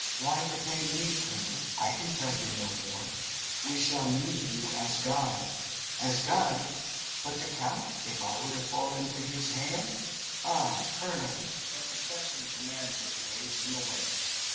"Why detain me, colonel? I can tell you no more." "We shall need you as guide." "As guide? But the count? If I were to fall into his hands? Ah, colonel " The Prussian commander waved him away.